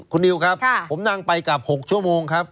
คุณนิวครับผมนั่งไปกลับ๖ชั่วโมงครับ